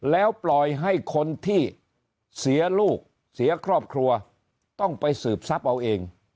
แล้วปล่อยให้คนที่เสียลูกเสียครอบครัวต้องไปสืบทรัพย์เอาเอง